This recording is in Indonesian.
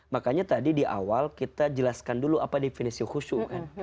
makanya tadi di awal kita jelaskan dulu apa definisi khusyuk kan